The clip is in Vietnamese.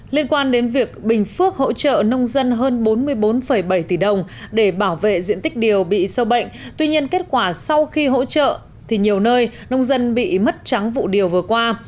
liên quan đến việc bình phước hỗ trợ nông dân hơn bốn mươi bốn bảy tỷ đồng để bảo vệ diện tích điều bị sâu bệnh tuy nhiên kết quả sau khi hỗ trợ thì nhiều nơi nông dân bị mất trắng vụ điều vừa qua